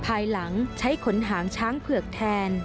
ภายหลังใช้ขนหางช้างเผือกแทน